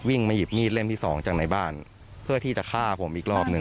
มาหยิบมีดเล่มที่สองจากในบ้านเพื่อที่จะฆ่าผมอีกรอบหนึ่ง